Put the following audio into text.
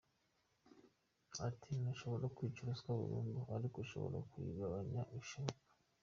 Ati: “Ntushobora kwica ruswa burundu, ariko ushobora kuyigabanya bishoboka.”